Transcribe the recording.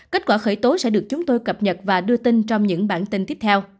kết quả khởi tố sẽ được chúng tôi cập nhật và đưa tin trong những bản tin tiếp theo